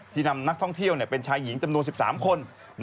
นำนักท่องเที่ยวเป็นชายหญิงจำนวน๑๓คน